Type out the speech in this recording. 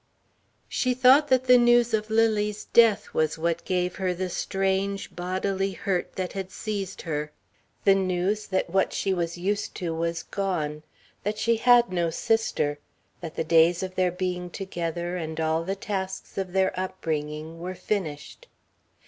She thought that the news of Lily's death was what gave her the strange, bodily hurt that had seized her the news that what she was used to was gone; that she had no sister; that the days of their being together and all the tasks of their upbringing were finished.